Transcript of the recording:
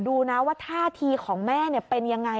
โอ้โฮโอ้โฮโอ้โฮโอ้โฮโอ้โฮ